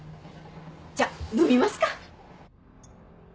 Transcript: じゃあ飲みますか。